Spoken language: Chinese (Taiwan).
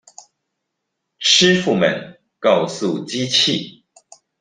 師傅們告訴機器